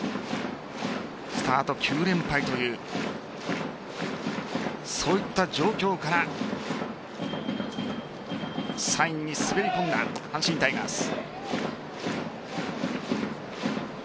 スタート９連敗というそういった状況から３位に滑り込んだ阪神タイガース。